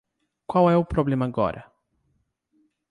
Qual é o problema agora?